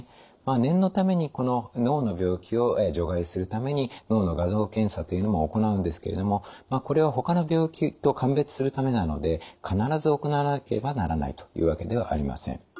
念のために脳の病気を除外するために脳の画像検査というのも行うんですけれどもこれはほかの病気と鑑別するためなので必ず行わなければならないというわけではありません。